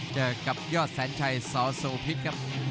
เจอกับยอดแสนชัยซาวโซบริเวณ